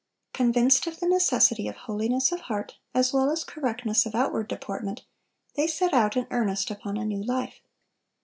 Convinced of the necessity of holiness of heart, as well as correctness of outward deportment, they set out in earnest upon a new life.